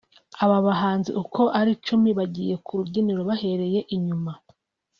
Aba bahanzi uko ari icumi bagiye ku rubyiniro bahereye inyuma